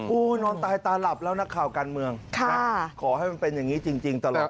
อืมอู๋นอนตายตาหลับแล้วนะข่าวการเมืองค่ะขอให้มันเป็นอย่างงี้จริงจริงตลอดไป